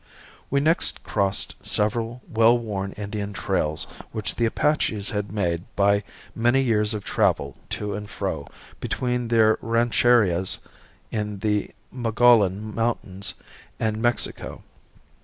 We next crossed several well worn Indian trails which the Apaches had made by many years of travel to and fro between their rancherias in the Mogollon mountains and Mexico.